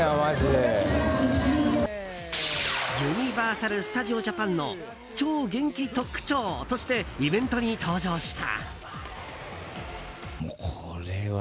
ユニバーサル・スタジオ・ジャパンの超元気特区長としてイベントに登場した。